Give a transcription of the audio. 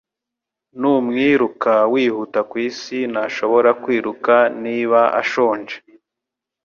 N'umwiruka wihuta kwisi ntashobora kwiruka niba ashonje